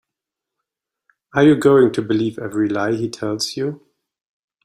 Are you going to believe every lie he tells you?